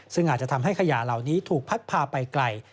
ซึ่งอาจจะทำให้ขยะเหล่านี้ถูกพัดพาไปไกล